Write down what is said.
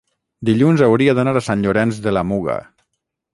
dilluns hauria d'anar a Sant Llorenç de la Muga.